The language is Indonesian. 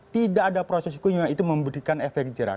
tidak ada proses hukum yang itu memberikan efek jerak